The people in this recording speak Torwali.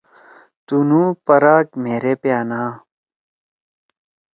تُونُو پراک مھیرے پیانا